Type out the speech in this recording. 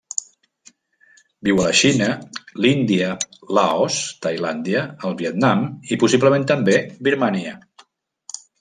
Viu a la Xina, l'Índia, Laos, Tailàndia, el Vietnam i, possiblement també, Birmània.